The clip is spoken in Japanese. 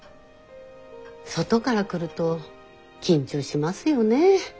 外から来ると緊張しますよね